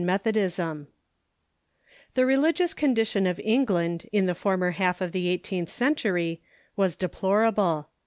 ] The religious condition of England in the former half of the eighteenth century was deplorable.